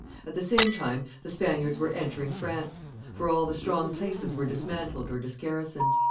At the same time the Spaniards were entering France; for all the strong places were dismantled or disgarrisoned.